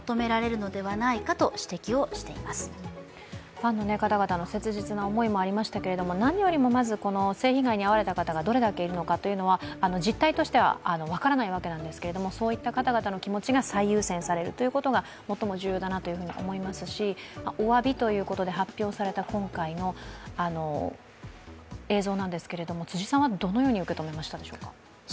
ファンの方々の切実な思いもありましたけれども何よりもまず性被害に遭われた方々がどれぐらいいるのか実態としては分からないわけなんですけど、そういった方々の気持ちが最優先されるということが最も重要だなというふうに思いますし、おわびということで発表された今回の映像なんですけれども、辻さんはどのように受け止められましたでしょうか。